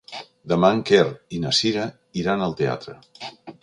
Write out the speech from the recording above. Demà en Quer i na Cira iran al teatre.